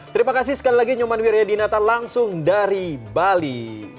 terima kasih sekali lagi nyoman wiryadinata langsung dari bali